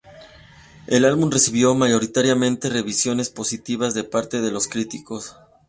El álbum recibió mayoritariamente revisiones positivas de parte de los críticos.